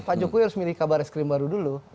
pak jokowi harus milih kabar es krim baru dulu